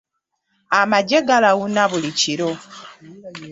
Amagye galawuna buli kiro.